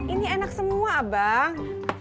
ini enak semua abang